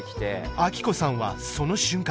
アキコさんはその瞬間